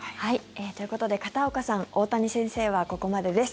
ということで片岡さん、大谷先生はここまでです。